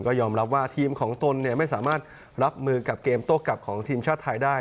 ก็ยอมรับว่าทีมของตนไม่สามารถรับมือกับเกมโต้กลับของทีมชาติไทยได้